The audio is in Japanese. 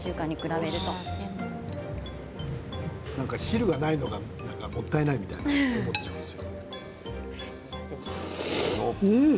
なんか汁がないのがもったいないみたいに思っちゃうんですよ。